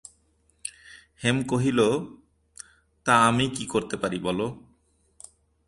হেম কহিল, তা আমি কী করিতে পারি বলো।